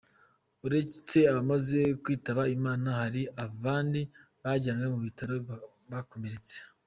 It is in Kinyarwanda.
Uretse abamaze kwitaba Imana, hari abandi bajyanwe mu bitaro bakomeretse.